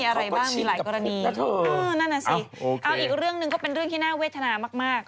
อีกเรื่องนึงก็เป็นเรื่องที่น่าเวทนามาก